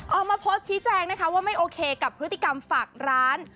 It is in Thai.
ออกมาโพสต์ชี้แจงนะคะว่าไม่โอเคกับพฤติกรรมฝากร้าน